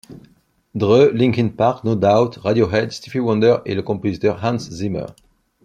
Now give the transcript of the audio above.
Dre, Linkin Park, No Doubt, Radiohead, Stevie Wonder et le compositeur Hans Zimmer.